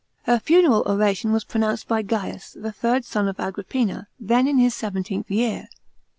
Her funeral oration was pronounced by Gains, the thiid son of Agrippina, then in his seventeenth year.